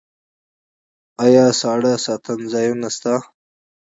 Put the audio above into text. آیا ساړه ساتنځایونه شته؟